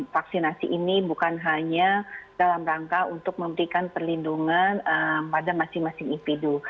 vaksinasi ini bukan hanya dalam rangka untuk memberikan perlindungan pada masing masing individu